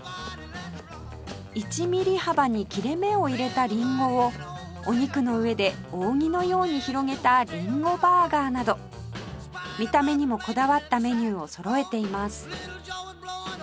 １ミリ幅に切れ目を入れたりんごをお肉の上で扇のように広げたりんごバーガーなど見た目にもこだわったメニューをそろえています